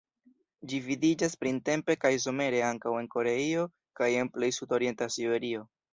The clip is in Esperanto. Ĝi vidiĝas printempe kaj somere ankaŭ en Koreio kaj en plej sudorienta Siberio.